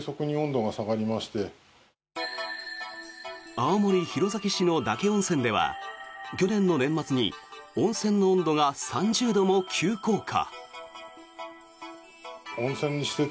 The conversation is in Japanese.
青森・弘前市の獄温泉では去年の年末に温泉の温度が３０度も急降下。